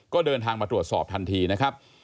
ก็เดินทางมาตรวจสอบทันทีนะครับ